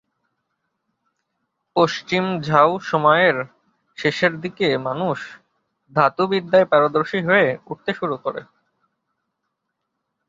পশ্চিম Zhou সময়ের শেষের দিকে মানুষ ধাতুবিদ্যায় পারদর্শী হয়ে উঠতে শুরু করে।